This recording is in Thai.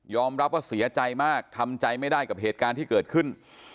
รับว่าเสียใจมากทำใจไม่ได้กับเหตุการณ์ที่เกิดขึ้น